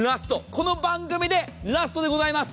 この番組でラストでございます。